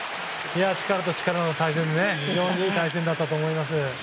力と力の対戦で非常にいい対戦だったと思います。